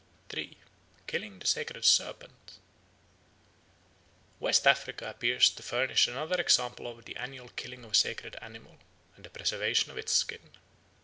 3. Killing the Sacred Serpent WEST AFRICA appears to furnish another example of the annual killing of a sacred animal and the preservation of its skin.